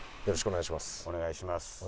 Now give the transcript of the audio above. よろしくお願いします。